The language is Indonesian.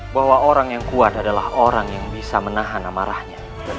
bahwa orang yang kuat adalah orang yang bisa menahan amarahnya